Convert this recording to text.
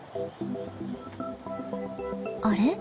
あれ？